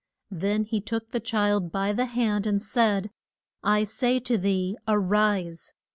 Then he took the child by the hand and said, I say to thee a rise.